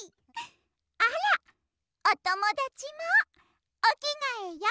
あらおともだちもおきがえよ。